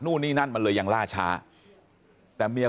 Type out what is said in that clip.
บอกแล้วบอกแล้วบอกแล้วบอกแล้วบอกแล้ว